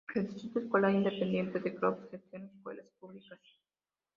El Distrito Escolar Independiente de Crosby gestiona escuelas públicas.